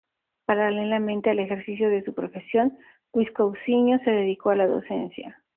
Paralelamente al ejercicio de su profesión, Luis Cousiño se dedicó a la docencia.